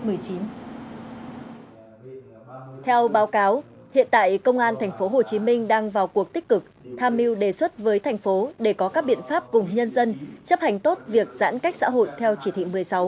theo báo cáo hiện tại công an tp hcm đang vào cuộc tích cực tham mưu đề xuất với thành phố để có các biện pháp cùng nhân dân chấp hành tốt việc giãn cách xã hội theo chỉ thị một mươi sáu